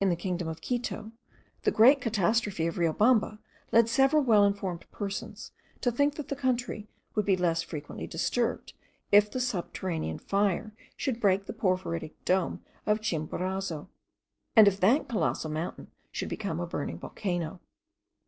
In the kingdom of Quito, the great catastrophe of Riobamba led several well informed persons to think that that country would be less frequently disturbed, if the subterranean fire should break the porphyritic dome of Chimborazo; and if that colossal mountain should become a burning volcano.